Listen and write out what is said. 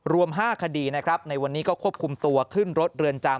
รวม๕คดีนะครับในวันนี้ก็ควบคุมตัวขึ้นรถเรือนจำ